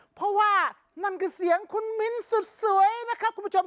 เพราะว่านั่นคือเสียงคุณมิ้นสุดสวยนะครับคุณผู้ชม